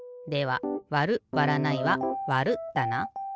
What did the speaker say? では「わる」「わらない」は「わる」だな。